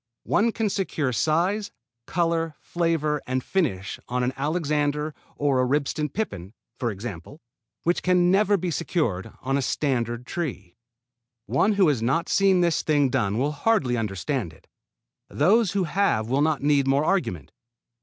One can secure size, color, flavor and finish on an Alexander or a Ribston Pippin, for example, which can never be secured on a standard tree. One who has not seen this thing done will hardly understand it; those who have will not need more argument.